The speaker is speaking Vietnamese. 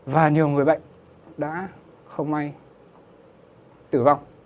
và nhiều người bệnh đã không may tử vong